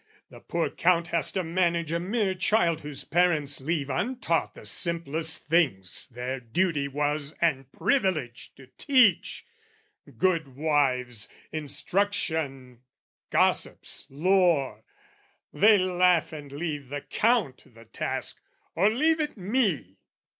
"The poor Count has to manage a mere child "Whose parents leave untaught the simplest things "Their duty was and privilege to teach, "Goodwives' instruction, gossips' lore: they laugh "And leave the Count the task, or leave it me!"